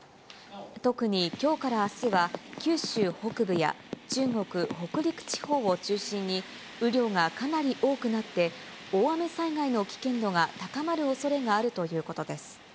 特にきょうからあすは、九州北部や中国、北陸地方を中心に雨量がかなり多くなって、大雨災害の危険度が高まるおそれがあるということです。